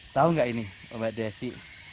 tahu nggak ini mbak desi